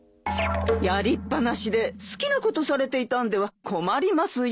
やりっ放しで好きなことされていたんでは困りますよ。